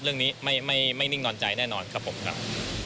เรื่องนี้ไม่นิ่งนอนใจแน่นอนครับผมครับ